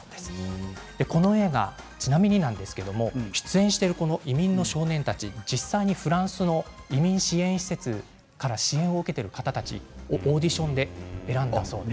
この映画ちなみになんですけど出演している移民の少年たちは実際にフランスの移民支援施設から支援を受けている方たちをオーディションで選んだそうです。